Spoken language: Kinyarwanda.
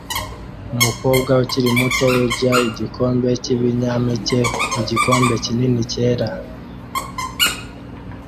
Umukobwa ukiri muto urya igikombe cyibinyampeke mu gikombe kinini cyera